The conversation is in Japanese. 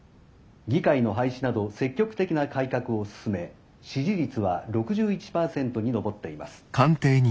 議会の廃止など積極的な改革を進め支持率は６１％に上っています」。